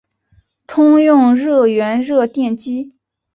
通用热源热电机。